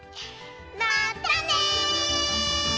まったね！